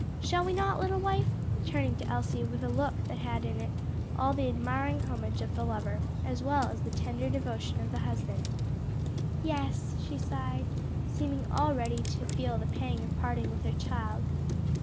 "Shall we not, little wife?" turning to Elsie with a look that had in it all the admiring homage of the lover, as well as the tender devotion of the husband. "Yes," she sighed, seeming already to feel the pang of parting with her child.